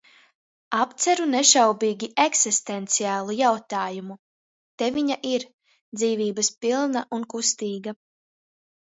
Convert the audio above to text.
Apceru nešaubīgi eksistenciālu jautājumu – te viņa ir, dzīvības pilna un kustīga.